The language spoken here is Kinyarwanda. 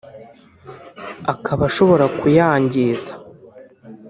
akaba ashobora kuyangiza